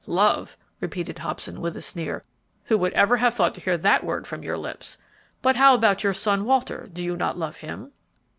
"Love!" repeated Hobson, with a sneer. "Who would ever have thought to hear that word from your lips! But how about your son, Walter; do you not love him?"